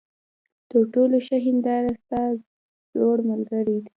تر ټولو ښه هینداره ستا زوړ ملګری دی.